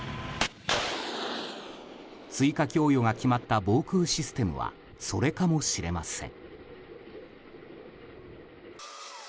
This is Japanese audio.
追加供与が決まった防空システムはそれかもしれません。